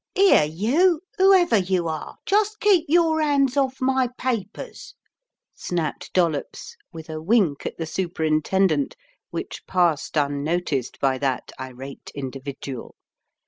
"Here you, whoever you are, just keep your 'ands off my papers," snapped Dollops with a wink at the Superintendent which passed unnoticed by that irate individual.